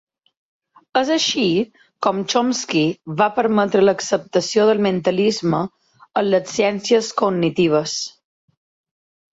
És així com Chomsky va permetre l'acceptació del mentalisme en les ciències cognitives.